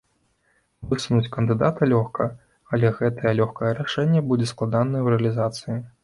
Высунуць кандыдата лёгка, але гэтае лёгкае рашэнне будзе складанае ў рэалізацыі.